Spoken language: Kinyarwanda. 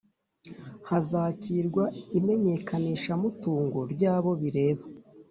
hazakirwa iminyekanishamutungo ry’abo bireba